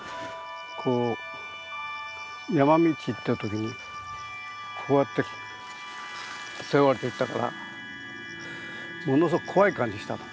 こう山道行った時にこうやって背負われていったからものすごく怖い感じしたの。